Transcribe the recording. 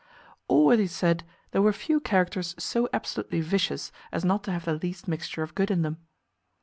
Allworthy said, there were few characters so absolutely vicious as not to have the least mixture of good in them.